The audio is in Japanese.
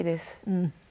うん。